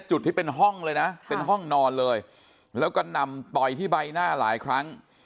จุดที่เป็นห้องเลยนะเป็นห้องนอนเลยแล้วก็นำต่อยที่ใบหน้าหลายครั้ง